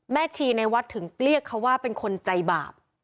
ชีในวัดถึงเรียกเขาว่าเป็นคนใจบาป